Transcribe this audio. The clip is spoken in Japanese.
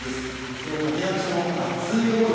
その立役者の熱い思い